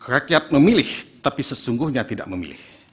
rakyat memilih tapi sesungguhnya tidak memilih